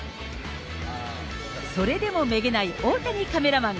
それでもめげない大谷カメラマン。